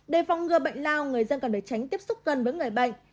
để phòng ngừa bệnh lao người dân cần để tránh tiếp xúc gần với người bệnh